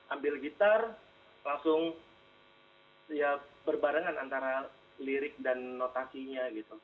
ambil gitar langsung berbarengan antara lirik dan notasinya